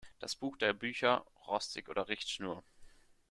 Das Buch der Bücher: Rostig oder Richtschnur?